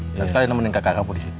sekali sekali nemenin kakak kakak polisi